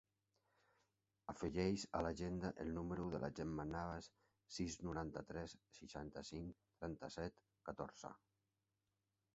Afegeix a l'agenda el número de la Gemma Navas: sis, noranta-tres, seixanta-cinc, trenta-set, catorze.